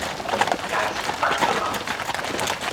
Já jsem tak blbá!